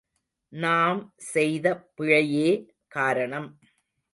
நாம் செய்த பிழையே காரணம்.